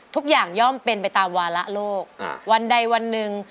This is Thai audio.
ย่อมเป็นไปตามวาระโลกวันใดวันหนึ่ง